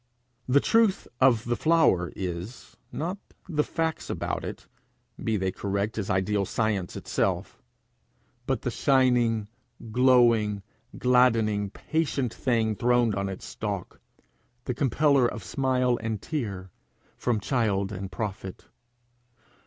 The truth of the flower is, not the facts about it, be they correct as ideal science itself, but the shining, glowing, gladdening, patient thing throned on its stalk the compeller of smile and tear from child and prophet.